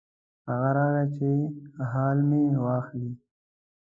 هغه راغی چې حال مې واخلي.